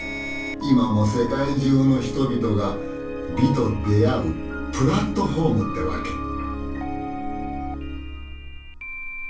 今も世界中の人々が美と出会うプラットホームってわけ！